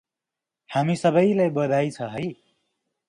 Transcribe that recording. हामी सबैलाई बधाइ छ है ।